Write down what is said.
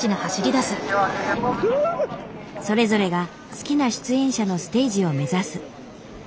それぞれが好きな出演者のステージを目指す。